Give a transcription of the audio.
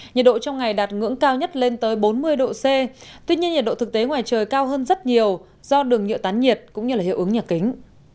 nhiệt độ trong ngày đạt ngưỡng cao nhất lên tới bốn mươi độ c tuy nhiên nhiệt độ thực tế ngoài trời cao hơn rất nhiều do đường nhựa tán nhiệt cũng như hiệu ứng nhà kính